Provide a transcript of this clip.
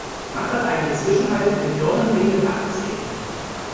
Mache einen Zwischenhalt im Dornenwinkel achtzehn.